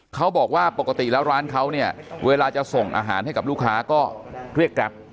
เขาบอกว่าปกติแล้วร้านเขาเนี่ยเวลาจะส่งอาหารให้กับลูกค้าก็เรียกแกรป